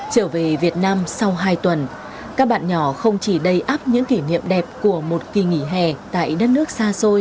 trở về việt nam sau hai tuần các bạn nhỏ không chỉ đầy áp những kỷ niệm đẹp của một kỳ nghỉ hè tại đất nước xa xôi